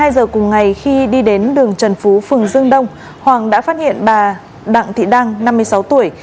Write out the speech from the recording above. một mươi giờ cùng ngày khi đi đến đường trần phú phường dương đông hoàng đã phát hiện bà đặng thị đăng năm mươi sáu tuổi